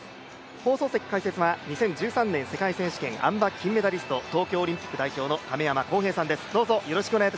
放送席解説は２０１３年世界選手権、あん馬金メダリスト、東京オリンピック代表の亀山耕平さんです。